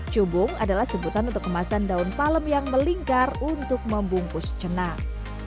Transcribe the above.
cubung adalah sebutan untuk kemasan daun palem yang melingkar untuk membungkus cenang